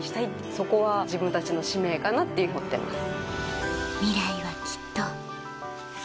そこは自分たちの使命かなって思ってます。